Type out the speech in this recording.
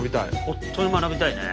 本当に学びたいね。